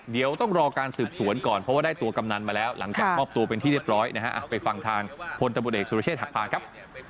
เดี๋ยวต้องรอการสืบสวนก่อนเพราะว่าได้ตัวกำนันมาแล้วหลังจากมอบตัวเป็นที่เรียบร้อยนะฮะไปฟังทางพลตำรวจเอกสุรเชษฐหักพาครับ